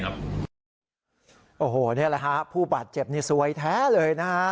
โอ้โหนี่แหละฮะผู้บาดเจ็บนี่ซวยแท้เลยนะฮะ